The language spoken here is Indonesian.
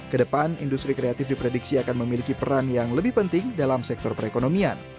kedepan industri kreatif diprediksi akan memiliki peran yang lebih penting dalam sektor perekonomian